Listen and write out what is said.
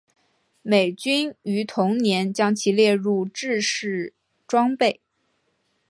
美军于同年将其列入制式装备。